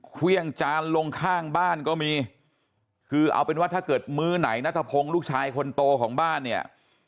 เครื่องจานลงข้างบ้านก็มีคือเอาเป็นว่าถ้าเกิดมื้อไหนนัทพงศ์ลูกชายคนโตของบ้านเนี่ย